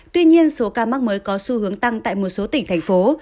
tuy nhiên số ca mắc mới có xu hướng tăng tại một số tỉnh thành phố